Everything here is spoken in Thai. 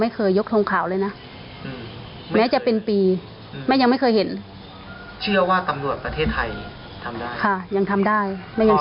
ได้รับความสนใจทางประเทศ